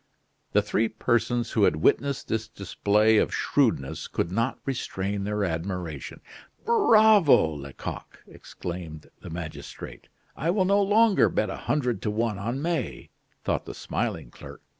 The three persons who had witnessed this display of shrewdness could not restrain their admiration. "Bravo! Lecoq," exclaimed the magistrate. "I will no longer bet a hundred to one on May," thought the smiling clerk.